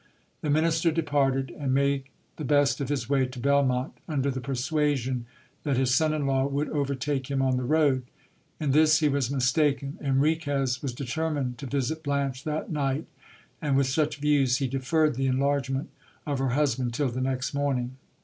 The minister departed, and made the best of his way to Belmonte, under the persuasion that his son in law would overtake him on the road. In this he was mistaken. Enriquez was determined to visit Blanche that night, and with such views he deferred the enlargement of her husband till the next morning.